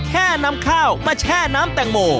แค่นำข้าวมาแช่น้ำแตงโม